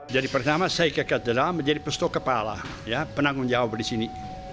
jadi pertama saya ke katedral menjadi pastor kepala penanggung jawab di sini